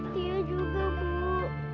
dia juga bu